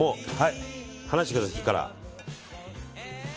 離してください、火から。